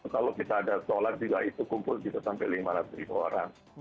kalau kita ada sholat juga itu kumpul bisa sampai lima ratus ribu orang